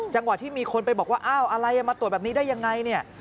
จังหวะที่มีคนไปบอกว่าอ้าวอะไรมาตรวจแบบนี้ได้ยังไงเนี่ย